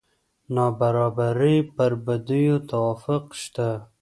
د نابرابرۍ پر بدیو توافق شته.